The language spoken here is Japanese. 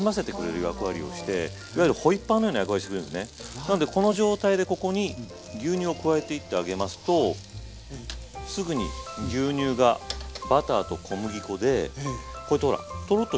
なんでこの状態でここに牛乳を加えていってあげますとすぐに牛乳がバターと小麦粉でこうやってほらトロッとした状態になります。